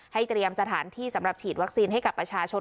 เตรียมสถานที่สำหรับฉีดวัคซีนให้กับประชาชน